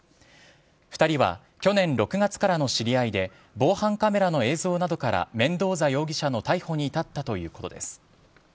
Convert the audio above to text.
２人は去年６月からの知り合いで、防犯カメラの映像などからメンドーザ容疑者の逮捕に至ったということです。